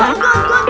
oh sia allah